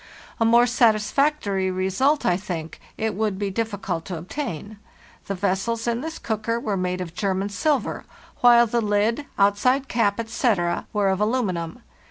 A more satisfactory result, I think, it would be difficult to obtain. The vessels in this cooker were made of German silver, while the lid, outside cap, etc., were of aluminium.